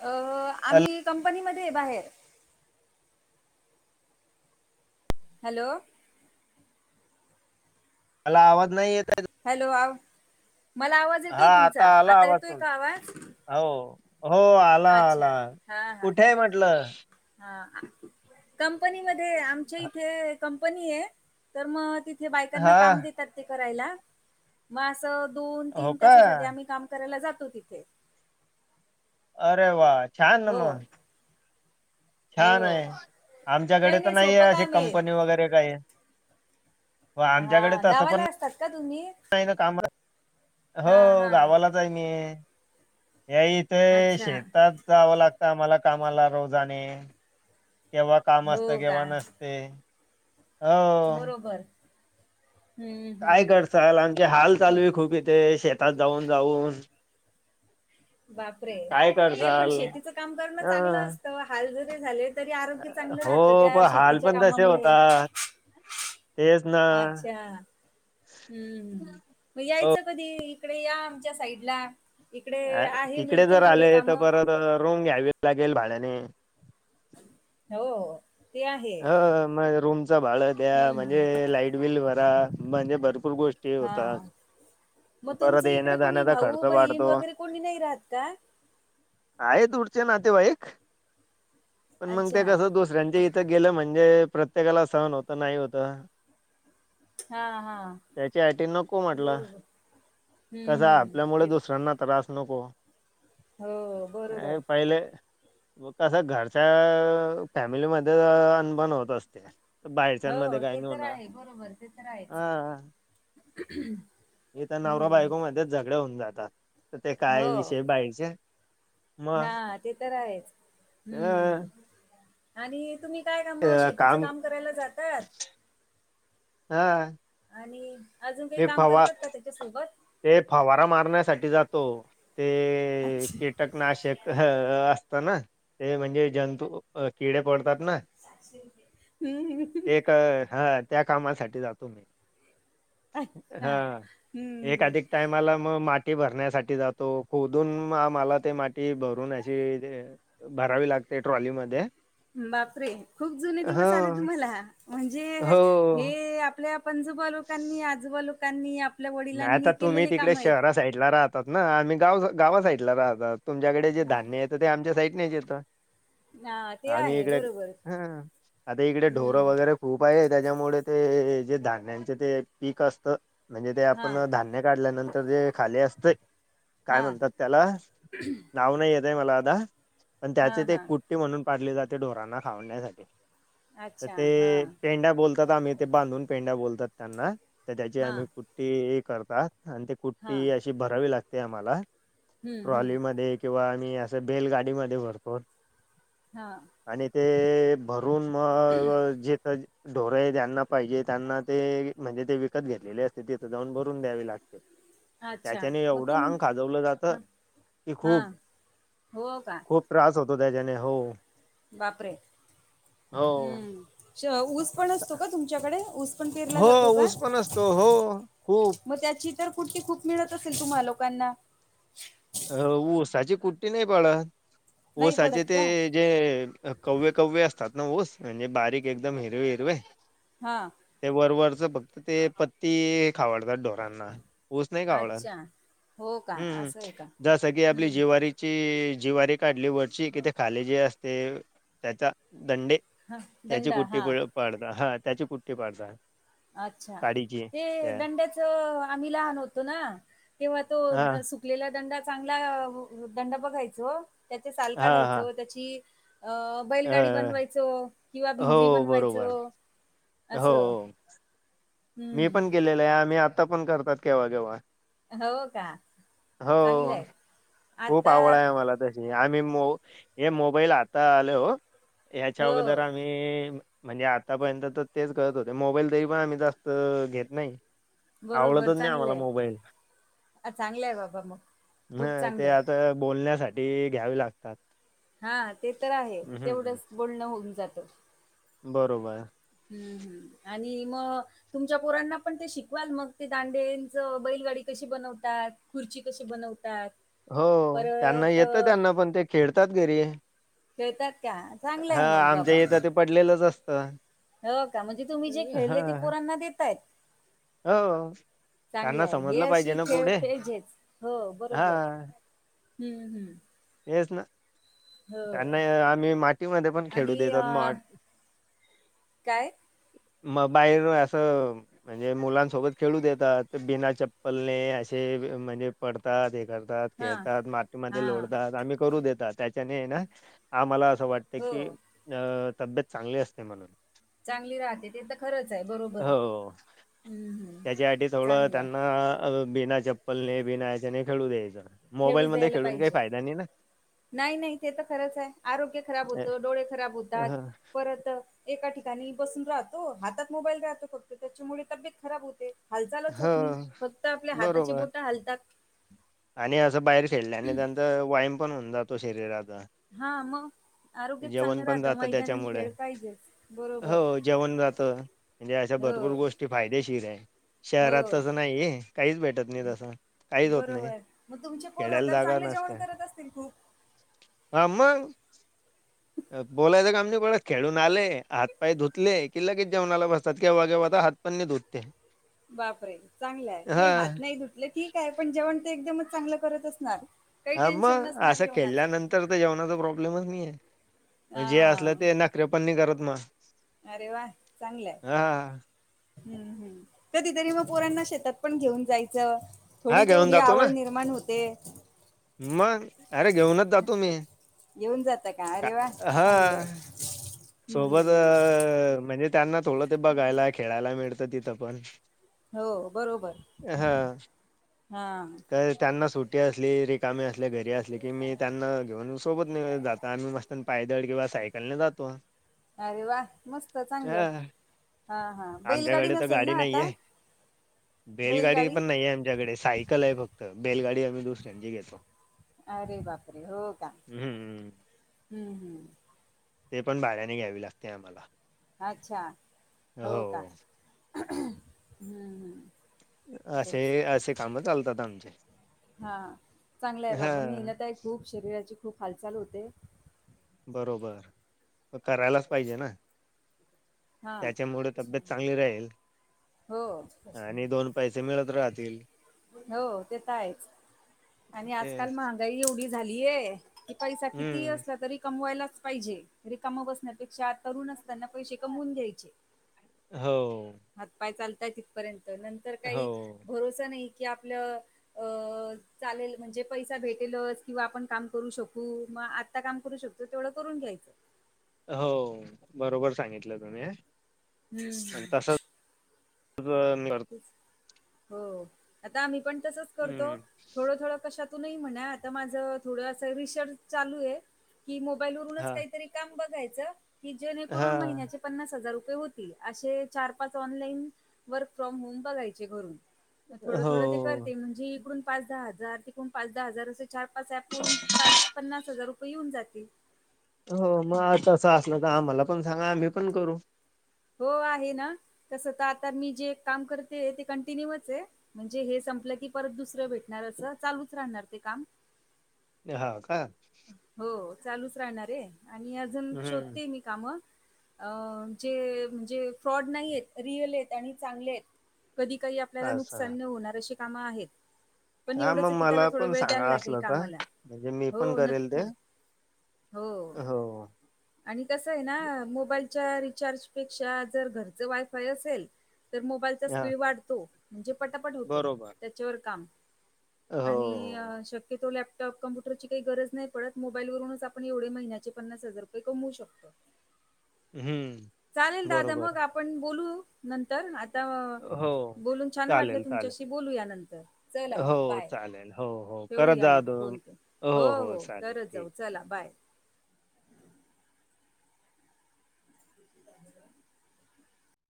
अ, hello, आम्ही कंपनीमध्ये बाहेर हॅलो, मला आवाज नाही येतय? हॅलो, मला आवाज येतोय हा तुमचा. आला आता आवाज येतोय पण. का आवाज हो, हो आला अच्छा आला हा हा कुठे आहे म्हटलं. हा कंपनीमध्ये मध्ये, आमच्या इथे कंपनी आहे तर मग ति बायकांना काम हा. देतात, ते करायला असे आम्ही हो दोन-तीन का? तासासाठी आम्ही काम करायला जातो तिथे? अरे, वा छान ना हो म छान हो आहे. काही आमच्याकडे नाही सोपं आहे अशी काम कंपनी काय हो आमच्याकडे हा तर असं गावाला पण असतात का तुम्ही का हा हो, हा गावालाच आहे मी, याईच ते, अच्छा शेतात जावं लागतं आम्हाला कामाला रोजाने. केव्हा काम हो असतं का केव्हा नसते? हो. बरोबर हम्म काय हम्म करसाल आमचे हाल चालू आहे. खूप इथे शेतात जाऊन जाऊन. बापरे काय नाय पण करसाल? शेतीच काम करणं हा. चांगलं असतं हाल जरी झाले तरी आरोग्य चांगलं हो राहतं त्या पण हाल शेतीच्या पण तसे कामामुळे. होतात तेच ना अच्छा. हम्म, म हो यायचं कधी इकडे या आमच्या साईडला. इकडे अ, आहे तिकडे जर मिळतील थोडे आले काम. तर परत रूम घ्यावी लागेल भाड्याने. हो. ते आहे. ह म रूमच भाडं द्या म्हणजे, हं. लाईट बिल भरा म्हणजे भरपूर गो ष्टी होतात. म परत तुमचं येण्या इकडे कोणी जाण्याचा भाऊ खर्च बहीण वाढतो वगैरे कोणी नाही राहत का? आहे दूरचे नातेवाईक पण मग ते अच्छा. कस दुसऱ्यांच्या इ थ- गेलं म्हणजे प्रत्येकाला सहन होत नाही होतं. हां, हां. त्याच्या आटी नको म्हटल. बरोबर. हं, कस हं. ते आपल्यामुळे दुसऱ्यांना त्रास नको. हो, बरोबर. ए पहिले होत अस घरच्या फॅमिलीमध्ये अनभन होत असते. तर हो बाहेरच्यांमध्ये काही ते नाही तर होणार. आहे बरोबर ते तर आहेच. ईथ नवरा हं, बायको मध्येच झगडे होऊन जातात तर ते काय विषय बाईचे. हा ते तर आहेच हम्म, अ आणि तुम्ही काय काम शेतीच काम करायला जातात? हा. आणि अजून काय मी काम फवा करतात का त्याच्यासोबत? ते फवारा मारण्यासाठी जातो, ते अच्छा. कीटकनाशक असत ना ते म्हणजे जंतू किडे पडतात ना. हं, हं. ते का हा त्या कामासाठी जातो मी. अच्छा. हा हं, हं. एखाद्या टायमाला म- मा ती भरण्यासाठी जातो खोदून म -मला ते माती भरून अशी ते भरावी लागते ट्रॉलीमध्ये. बापरे खूप जुने दिवस आले हं, तुम्हाला म्हणजे हो. हे आपल्या पणजोबा लोकांनी आजोबा लोकांनी आपल्या वडिलांनी केलेले काम आयत. साईड ला राहतात ना आम्ही गाव-गावा साईडला राहतात तुमच्याकडे जे हां. धान्य हायत त -ते आमच्या साईडनेच येतं. हां, ते आम्ही आहे इकड बरोबर. हा आता इकडे हं. ढोरं वगैरे खूप आहे त्याच्यामुळे ते जे धान्यांचे ते पीक असत म्हणजे ते आपण हां, धा न्य- काढल्यानंतर जे खाली असत काय हां. म्हणतात त्याला? नाव नाय येत आय मला आता पण त्याचे हां, ते हां. कू ट्टी- म्हणून पाडले जाते ढोरांना खावाण्यासाठी तर अच्छा. ते हां. पेंढा बोल आम्ही ते बांधून पेंड्या बोलतात त्यांना तर त्याची आम्ही हां. कुट्टी करतात. आणि ते कुट्टी हां. अशी भरावी लागते आम्हाला हं, हं. ट्रॉलीमध्ये. किंवा आम्ही असं बेलगाडीमध्ये भरतो. हा. आणि ते भरून मग जे क ढोर ज्यांना पाहिजे त्यांना ते म्हणजे ते विकत घेतलेले अस ते- तिथं जाऊन भरून द्यावी लागते. अच्छा. त्याच्याने मग एवढं तुम अंग खाजवलं जात हां. की खूप. हां. हो का. खूप त्रास होतो त्याच्याने हो. बापरे हो. हम्म. ऊस पण असतो का तुमच्याकडे ऊस? पण पेरला हो जातो का? ऊस पण असतो हो खूप. मग त्याची इ तर कुठती खूप मिळत असेल तुम्हाला लोकांना. अ साची कुट्टी नाही पाळत नाही उसाचे पडत ते का? जे कवळे- कवळे असतात ना ऊस म्हणजे बारीक एकदम हिरवे- हिरवे. हा. ते वरवररचं फक्त ते पत्ती खावडतात ढोरांना. ऊस नाही खावडत अच्छा. हो का? हम्म असं आहे का? जसा की आपली हं. ज्वारी ची ज्वारी काढली वरची कि ते खाले जे असते त्याचा दंडे हां. त्याची दंडा. कुट्टी हां. पाडता हा त्याची कुट्टी पाडता. अच्छा ते दंड्याच आम्ही लहान होतो ना तेव्हा हां, तो सुखलेला दंड चांगला दंड बघायच त्याचे साल हां, काढायच हां. त्या ची आ बैल गाडी अ, बनवायचो किंवा भिंगरी हो, बरोबर. बनवायचो हो असं. मी हम्म. पण केलेलं आहे. आम्ही आता पण केव्हा- केव्हा. हो का. हो. चांगलंय. खूप आता आवड आहे मला ते हे आम्ही मो हे मोबाईल आता आले हो यायाच्या हो अगोदर आम्ही म्हणजे आतापर्यंत तर तेच करत होते. मोबाईल तरी पण आम्ही जास्त घेत नाही. आवडतच नाही. आम्हाला मोबाईल. चांगले आहे बाबा मग. ह खूप ते चांगलं. आता बोलण्यासाठी घ्यावी लागतात. हा ते तर आहे हं, तेवढंच बोलणं होऊन जातं. बरोबर. हम्म - हम्म. आणि मग तुमच्या पोरांना पण ते शिकवाल मग ते दांडेंच बैलवाडी कशी बनवतात. खुर्ची कशी बनवतात. हो त्यांना परत अ, येतं त्यांना पण ते खेळतात घरी. खेळतात का चांगलं हां, आहे मग आमच्या बाबा. इथं ते पडलेलंच असतं. हो का म्हणजे तुम्ही जे खेळले ते हां, पोरांना देताय? हो. चांगलं त्यांना आहे. हे समजलं पाहिजे अशी ना खेळ पुढे पाहिजे हो हा बरोबर हम्म- हम्म. [inaudible] त्यांना आम्ही मातीमध्ये पण खेळू आणि देतात अ, मग. काय? म बाहेर अस म्हणजे मुलांसोबत खेळू देतात बिना चप्पलने असे म्हणजे पडतात हे करतात हां. खेळतात मातीमध्ये हां. लोळतात आम्ही करू देतात त्या ना आ मला असं वाटत हो. की अ तब्येत चांगली असते म्हणून. चांगली राहते. ते तर खरंच आहे बरोबर आहे. हो हं, हं. त्याच्यासाठी सगळं चांगलं आहे. त्यांना बिना चप्पलने बिना याच्याने खेळू द्यायचं खेळूच मोबाईलमध्ये द्यायला खेळून काही पाहिजे. फायदा नाही ना? नाही नाही ते तर खरंच आहे, आरोग्य खराब अ, होतं. डोळे खराब होतात हो परत एका ठिकाणी बसून राहतो. हातात मोबाईल राहतो फक्त त्याच्यामुळे तब्येत खराब होते. हालचालच होत नाही हो, फक्त आपल्या हाताची बरोबर बोट हालतात. आणि असं बाहेर खेळल्याने आणि त्याचा व्यायाम पण होऊन जातो शरीराचा. हा मग आरोग्यच जेवण चांगलं पण राहतं. जात मैदानी त्याच्यामुळे खेळ पाहिजेच. बरोबर. हो जेवण जात. म्हणजे अशा हो, भरपूर गोष्टी फायदेशीर आहे शहरात हो. तसं नाही आहे. काहीच भेटत नाही तसं काहीच होत नाही. बरोबर. मग तुमचे पोरं तर चांगले जेवण करत असतील खूप. हा मग. बोलायचं काम नाही खेळून आले हातपाय की लगेच जेवणाला बसतात किंवा केव्हा केव्हातर हात पण नाही धुवत ते. बापरे चांगला आहे नाही हात हां. नाही धुतले ठीक आहे पण जेवण ते एकदमच चांगलं करत असणार. काही अ टेन्शन मग नसणार असं जेवणाचं. खेळल्यानंतर तर ते जेवणाचा प्रॉब्लेमच नाही आहे जे असलं हां. ते नखरे पण नाही करत मग. अरे वा चांगलंय आहे. हा हम्म हम् कधीतरी मग पोरांना शेतात पण घेऊन जायचं. थोडी हां घेऊन तेवढी जातो ना. आवड निर्माण होते. मग अरे घेऊनच जातो मी येऊन जात का अरे वा चांगलंय आहे. सोबत म्हणजे त्यांना थोडं ते बघायला खेळायला मिळतं तिथं पण हो बरोबर हा हा काय त्यांना सुट टी असली रिकामे असले घरी असले की मी त्यांना घेऊन सोबत नेऊन जाता आणि मस्त पण पायदळ किंवा सायकलने जातो. अरे वा मस्त चांगलं हां, हा हा बैलगाडी आमच्याकडे नसेल ना आता? बेलगाडी बैलगाडी पण नाही सायक ल आहे फक्त बेलगाडी आम्ही दुसऱ्यांची घेतो. अरे बापरे हो का? हं, हम्म हम्म. ते पण भाड्याने घ्यावी लागते आम्हाला. अच्छा हो का? असे तेच असे काम चालतात आमचे. हा चांगला आहे बाबा हां, मेहनत आहे. खूप शरीराची खूप हालचाल होते. करायलाच पाहिजे ना. हा त्याच्यामुळे तब्येत चांगली राहील हो आणि दोन पैसे मिळत राहतील. हो ते तर आहेच. आणि आजकाल तेच महागाई एवढी झालीय. की पैसा किती हम्म असला तरी कमवायलाच पाहिजे रिकम बसण्यापेक्षा तरुण असताना पैसे कमवून घ्यायचे. हो. हातपाय चालतय तिथपर्यंत नंतर हो काही भरोसा नाही कि आपलं अ चालेल म्हणजे पैसा भेटेलच किंवा आपण काम करू शकू मग आत्ता काम करू शकू होतय तेवढं करून घ्यायचं. हो बरोबर सांगितलं तुम्ही. आणि तसंच [unintelligible] [unintelligible] हो आता आम्ही पण तसच करतो, हम्म थोडं थोडं कशात म्हणा माझ थोड चालू आहे की मोबाईल वरूनच हा काही तरी काम बघायच की जेने हा करून महिन्याचे पन्नास हजार रुपये होतील अशे चार पाच ऑनलाईन वर्क फ्रॉम होम बघायचे घरून थोडं हो थोडं ते करते म्हणजे इकडून पाच दहा हजार तिकडून पाच दहा हजार असे चार पाच ऍप वरून पाच पन्नास हजार रुपये येऊन जाते हो मग तसं असलं तर आम्हाला पण सांगा आम्ही पण करू हो आहे ना कसं तर आता मी जे काम करते ते कंटिन्यूच हे म्हणजे हे संपलं की परत दुसरं भेटणार असं, चालूच राहणार ते काम. हा का, हो चालूच राहणार आहे, आणि अजून हम्म शोधते मी काम अ जे म्हणजे फ्रॉड नाही आहेत, रियल आहेत आणि चांगले आहेत कधी काही आपल्याला असं नुकसान नाही होणार अशी काम आहेत. पण हा मग एवढंच आहे की त्याला मला थोडा पण वेळ सांगा द्यायला लागेल असल तर, कामाला. म्हणजे मी पण हो करी नक्की. हो [unintelligible] हो आणि कसं आहे ना, मोबाईलच्या रिचार्जपेक्षा, जर घरचं वायफाय असेल, तर मोबाईलचा हा स्पीड वाढतो म्हणजे पटापट होतो बरोबर त्याच्यावर काम [unintelligible] आणि शक्यतो लॅपटॉप कम्प्युटरची काही गरज नाही पडत मोबाईलवरूनचण एवढे महिन्याचे पन्नास हजार ते कमवू शकतो हम्म चालेल दादा बरोबर मग आपण बोलू नंतर आ हो. [unintelligible] बोलून छान वाटलं चालेल, चालेल. तुमच्याशी, बोलू या नंतर चला मग हो, बाय. चालेल. हो, हो. करत ठेऊूया जा मग दोन. फोन, हो हो चालेल. करत ठीक. जाऊ चला बाय. [unintelligible]